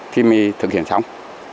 khi mình thực hiện xong